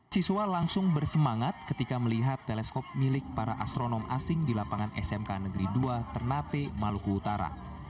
siswa langsung bersemangat ketika melihat teleskop milik para astronom asing di lapangan smk negeri dua ternate maluku utara